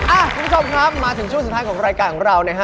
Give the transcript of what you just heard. คุณผู้ชมครับมาถึงช่วงสุดท้ายของรายการของเรานะฮะ